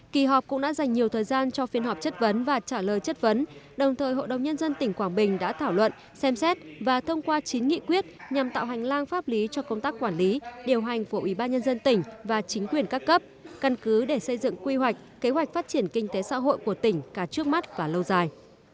kỳ họp cũng đã dành nhiều thời gian cho phiên họp chất vấn và trả lời chất vấn đồng thời hội đồng nhân dân tỉnh quảng bình đã thảo luận xem xét và thông qua chín nghị quyết nhằm tạo hành lang pháp lý cho công tác quản lý điều hành của ủy ban nhân dân tỉnh và chính quyền các cấp căn cứ để xây dựng quy hoạch kế hoạch phát triển kinh tế xã hội của tỉnh cả trước mắt và lâu dài